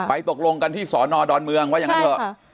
ตกลงกันที่สอนอดอนเมืองว่าอย่างนั้นเถอะ